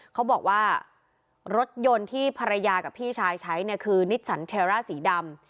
เขาบอกว่ารถยนต์ที่ภรรยากับพี่ชายใช้เนี่ยคือนิสสันเชร่าสีดำ